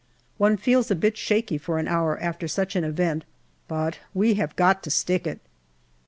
One feels a bit shaky for an hour after such an event, but we have got to stick it.